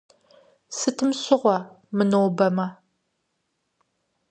Сытым щыгъуэ, мынобэмэ?